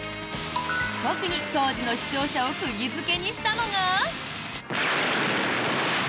特に当時の視聴者を釘付けにしたのが。